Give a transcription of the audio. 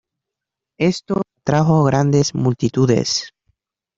Esto atrajo grandes multitudes.